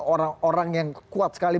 orang orang yang kuat sekali